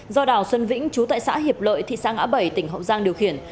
do đảo xuân vĩnh trú tại xã hiệp lợi thị xã ngã bảy tỉnh hậu giang điều khiển